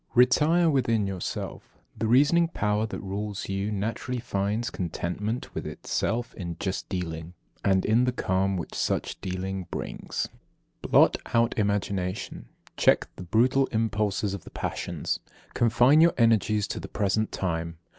28. Retire within yourself. The reasoning power that rules you naturally finds contentment with itself in just dealing, and in the calm which such dealing brings. 29. Blot out imagination. Check the brutal impulses of the passions. Confine your energies to the present time.